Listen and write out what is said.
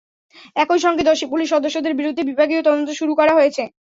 একই সঙ্গে দোষী পুলিশ সদস্যদের বিরুদ্ধে বিভাগীয় তদন্ত শুরু করা হয়েছে।